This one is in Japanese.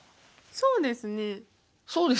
「そうですね」？